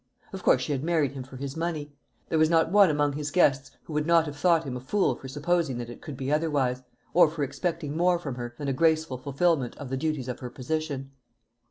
Of course, she had married him for his money. There was not one among his guests who would not have thought him a fool for supposing that it could be otherwise, or for expecting more from her than a graceful fulfilment of the duties of her position.